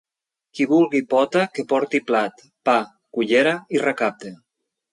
Qui vulgui pota, que porti plat, pa, cullera i recapte.